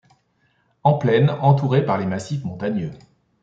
En plaine, entourée par les massifs montagneux.